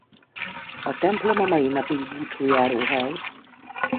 A templom a mai napig búcsújáróhely.